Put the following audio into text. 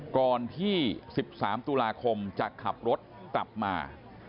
ก่อนที่๑๓ตุลาคมจะขับรถกลับมา